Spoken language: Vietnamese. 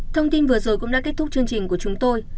thông tin vừa rồi cũng đã kết thúc chương trình của chúng tôi